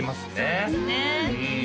そうですね